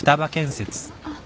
あっ。